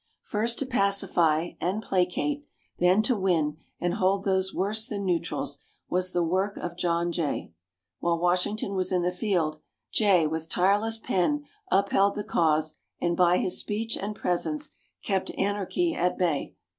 First to pacify and placate, then to win and hold those worse than neutrals, was the work of John Jay. While Washington was in the field, Jay, with tireless pen, upheld the cause, and by his speech and presence kept anarchy at bay.